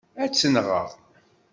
Ad tt-nɣeɣ.